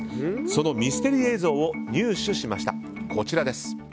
そのミステリー映像を入手しました。